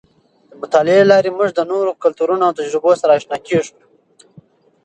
د مطالعې له لارې موږ د نورو کلتورونو او تجربو سره اشنا کېږو.